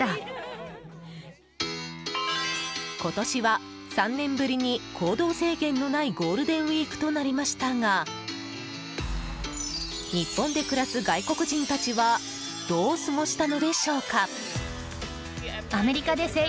今年は３年ぶりに行動制限のないゴールデンウィークとなりましたが日本で暮らす外国人たちはどう過ごしたのでしょうか？